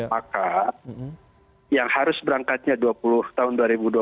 maka yang harus berangkatnya tahun dua ribu dua puluh dua